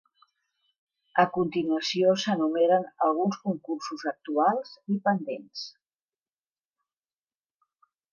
A continuació s'enumeren alguns concursos actuals i pendents.